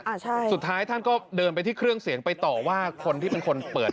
อ่าใช่สุดท้ายท่านก็เดินไปที่เครื่องเสียงไปต่อว่าคนที่เป็นคนเปิด